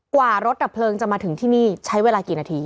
กว่ารถดับเพลิงจะมาถึงที่นี่ใช้เวลากี่นาที